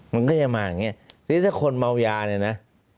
มันก็จะมาอย่างนี้ทีนี้ถ้าคนเมายาเนี่ยนะ